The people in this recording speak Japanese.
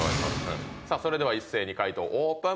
さあそれでは一斉に解答オープン。